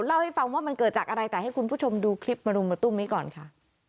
เล่าให้ฟังว่ามันเกิดจากอะไรแต่ให้คุณผู้ชมดูคลิปมารุมมาตุ้มนี้ก่อนค่ะ